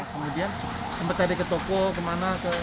kemudian sempat tadi ke toko kemana